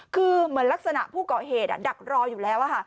คือเหมือนลักษณะผู้ก่อเหตุดักรออยู่แล้ว